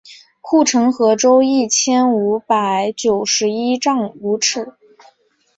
护城河周一千五百九十一丈五尺。